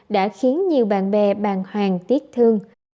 đã khiến nhiều bạn bè bàn hoàng tiếc thương